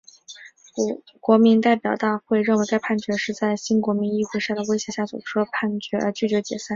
国民代表大会认为该判决是在新国民议会的威胁下所做出的判决而拒绝解散。